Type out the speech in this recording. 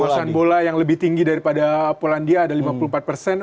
kebosan bola yang lebih tinggi daripada polandia ada lima puluh empat persen